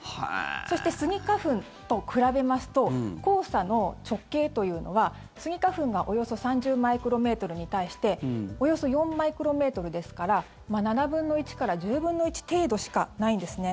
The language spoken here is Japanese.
そしてスギ花粉と比べますと黄砂の直径というのはスギ花粉がおよそ３０マイクロメートルに対しておよそ４マイクロメートルですから７分の１から１０分の１程度しかないんですね。